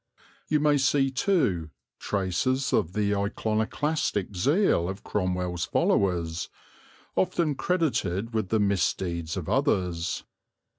You may see, too, traces of the iconoclastic zeal of Cromwell's followers, often credited with the misdeeds of others.